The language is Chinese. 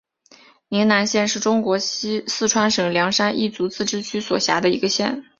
宁南县是中国四川省凉山彝族自治州所辖的一个县。